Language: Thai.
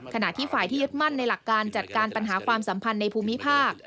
ขณะที่ฝ่ายที่ยึดมั่นในหลักการจัดการปัญหาความสัมพันธ์ในภูมิภาค